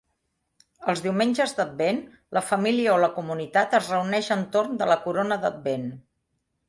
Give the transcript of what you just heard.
Els diumenges d'advent la família o la comunitat es reuneix entorn de la corona d'advent.